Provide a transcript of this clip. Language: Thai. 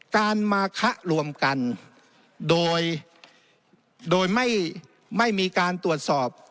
การมาคะรวมกันโดยไม่มีการตรวจสอบ